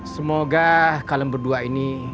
semoga kalian berdua ini